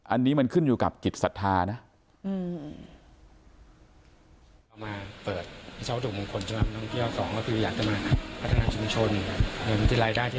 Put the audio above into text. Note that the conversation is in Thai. อันนี้มันขึ้นอยู่กับกฤษภานะ